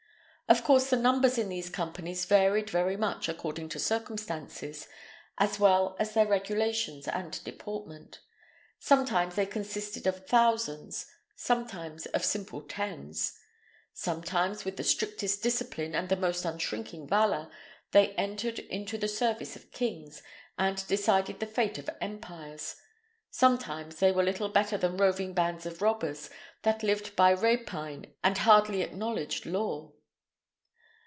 Of course, the numbers in these companies varied very much according to circumstances, as well as their regulations and deportment. Sometimes they consisted of thousands, sometimes of simple tens. Sometimes, with the strictest discipline and the most unshrinking valour, they entered into the service of kings, and decided the fate of empires; sometimes they were little better than roving bands of robbers, that lived by rapine and hardly acknowledged law.